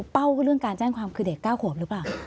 เรื่องการแจ้งความคือเด็ก๙ขวบหรือเปล่า